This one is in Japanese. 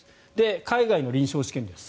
海外の臨床試験です。